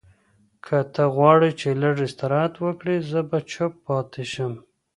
که ته غواړې چې لږ استراحت وکړې، زه به چپ پاتې شم.